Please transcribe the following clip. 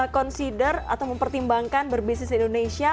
consider atau mempertimbangkan berbisnis di indonesia